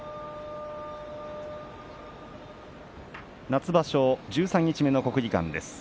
夏場所十三日目の国技館です。